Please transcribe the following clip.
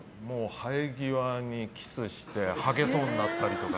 生え際にキスしてはげそうになったりとか。